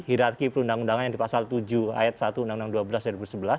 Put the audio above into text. hirarki perundang undangan yang di pasal tujuh ayat satu undang undang dua belas dua ribu sebelas